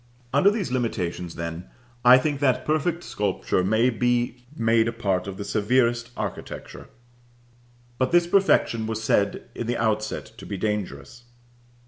Under these limitations, then, I think that perfect sculpture may be made a part of the severest architecture; but this perfection was said in the outset to be dangerous.